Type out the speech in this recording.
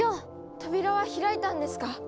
扉は開いたんですか？